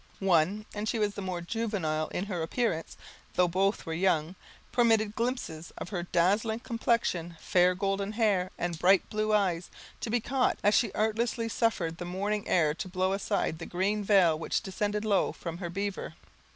One, and she was the more juvenile in her appearance, though both were young, permitted glimpses of her dazzling complexion, fair golden hair, and bright blue eyes, to be caught, as she artlessly suffered the morning air to blow aside the green veil which descended low from her beaver.